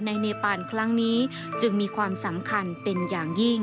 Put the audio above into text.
เนปานครั้งนี้จึงมีความสำคัญเป็นอย่างยิ่ง